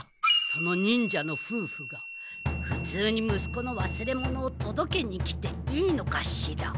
その忍者のふうふがふつうにむすこのわすれ物をとどけに来ていいのかしら？